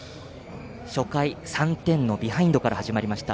初回、３点のビハインドから始まりました。